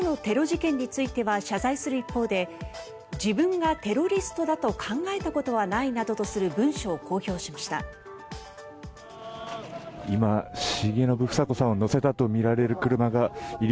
過去のテロ事件については謝罪する一方で自分がテロリストだと考えたことはないなどとする文書を公表しました。